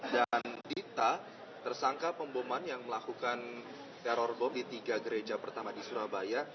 dan dita tersangka pemboman yang melakukan teror bom di tiga gereja pertama di surabaya